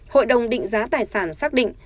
hội đồng định giá tài sản xác định